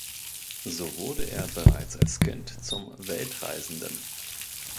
So wurde er bereits als Kind zum Weltreisenden.